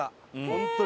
ホントに。